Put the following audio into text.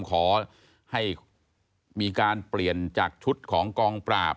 ขอให้มีการเปลี่ยนจากชุดของกองปราบ